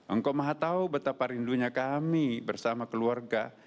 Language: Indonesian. engkau mahatau betapa rindunya kami bersama keluarga